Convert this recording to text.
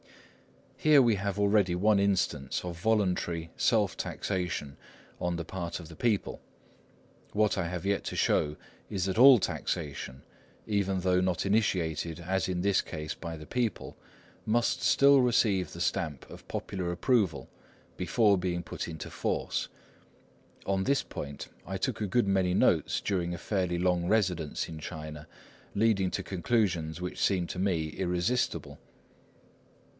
Here we have already one instance of voluntary self taxation on the part of the people; what I have yet to show is that all taxation, even though not initiated as in this case by the people, must still receive the stamp of popular approval before being put into force. On this point I took a good many notes during a fairly long residence in China, leading to conclusions which seem to me irresistible.